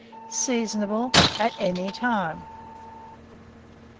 Seasonable at any time.